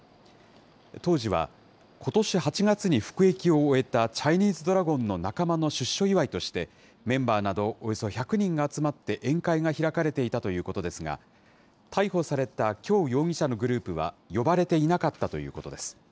当時はことし８月に服役を終えたチャイニーズドラゴンの仲間の出所祝いとして、メンバーなど、およそ１００人が集まって宴会が開かれていたということですが、逮捕された姜容疑者のグループは呼ばれていなかったということです。